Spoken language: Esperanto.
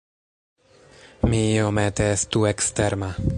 Mi iomete estu eksterma.